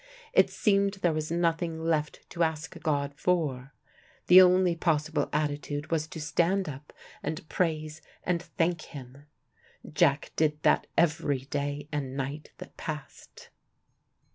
It seemed there was nothing left to ask God for; the only possible attitude was to stand up and praise and thank Him. Jack did that every day and night that passed.